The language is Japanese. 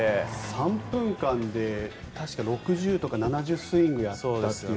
３分間で確か６０とか７０スイングやったという。